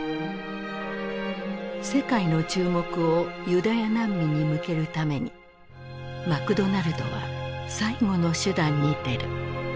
世界の注目をユダヤ難民に向けるためにマクドナルドは最後の手段に出る。